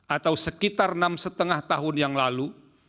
atau sekitar enam lima tahun yang lalu